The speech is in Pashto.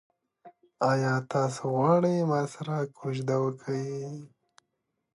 افغانستان د ژمی له پلوه متنوع دی.